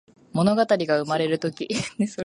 ものがたりがうまれるとき